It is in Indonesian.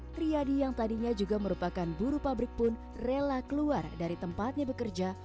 triadi yang tadinya juga merupakan buru pabrik pun rela keluar dari tempatnya bekerja